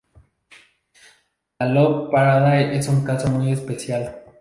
La Love Parade es un caso muy especial.